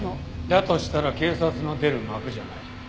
だとしたら警察の出る幕じゃない。